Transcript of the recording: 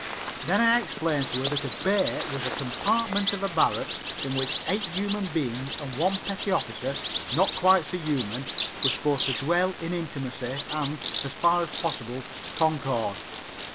Then I explained to her that a bay was a compartment of a barracks in which eight human beings and one petty officer, not quite so human, were supposed to dwell in intimacy and, as far as possible, concord.